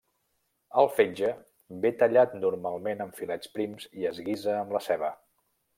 El fetge ve tallat normalment en filets prims i es guisa amb la ceba.